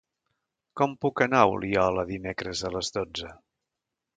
Com puc anar a Oliola dimecres a les dotze?